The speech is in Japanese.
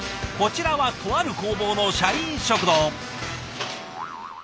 こちらはとある工房の社員食堂。